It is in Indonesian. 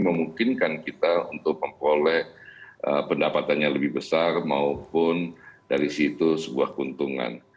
memungkinkan kita untuk memperoleh pendapatannya lebih besar maupun dari situ sebuah keuntungan